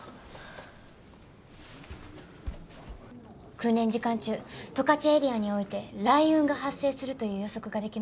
訓練時間中十勝エリアにおいて雷雲が発生するという予測ができます。